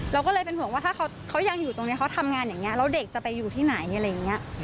เราก็เลยเป็นห่วงว่าถ้าเขายังอยู่ตรงนี้เขาทำงานอย่างนี้แล้วเด็กจะไปอยู่ที่ไหนอะไรอย่างนี้